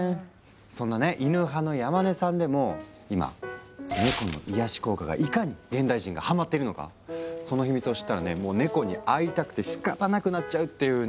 そんなねイヌ派の山根さんでも今ネコの癒やし効果がいかに現代人がハマってるのかその秘密を知ったらねもうネコに会いたくてしかたなくなっちゃうっていう。